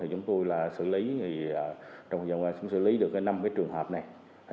chúng tôi đã xử lý được năm trường hợp này